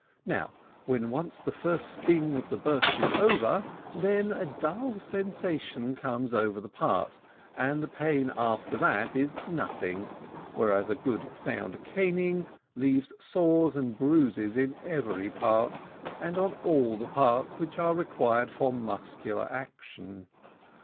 Now, when once the first sting of the birch is over, then a dull sensation comes over the part, and the pain after that is nothing; whereas a good sound caning leaves sores and bruises in every part, and on all the parts which are required for muscular action.